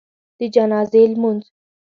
د جنازي لمونځ